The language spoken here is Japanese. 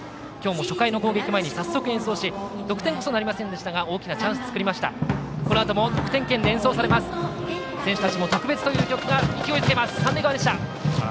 今日も初回の攻撃前に早速、演奏し得点こそなりませんでしたが大きなチャンスを作りました。